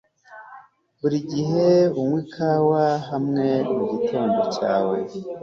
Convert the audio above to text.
Buri gihe unywa ikawa hamwe na mugitondo cyawe